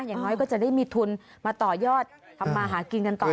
อย่างน้อยก็จะได้มีทุนมาต่อยอดทำมาหากินกันต่อ